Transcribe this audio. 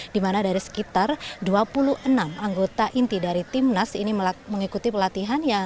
dimana dari sekitar dua puluh enam anggota inti dari timnas ini mengikuti pelatihan